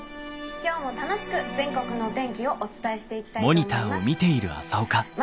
「今日も楽しく全国のお天気をお伝えしていきたいと思います。